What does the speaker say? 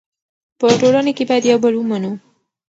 په ټولنه کې باید یو بل ومنو.